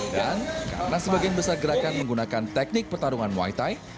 dan karena sebagian besar gerakan menggunakan teknik pertarungan muay thai